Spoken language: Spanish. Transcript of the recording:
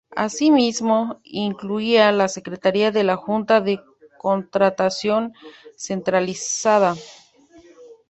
Asimismo, incluía la Secretaría de la Junta de Contratación Centralizada.